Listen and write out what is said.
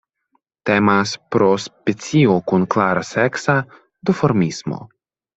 Temas pro specio kun klara seksa duformismo.